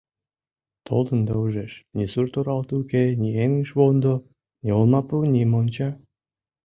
Толын да ужеш: ни сурт оралте уке, ни эҥыжвондо, ни олмапу, ни монча.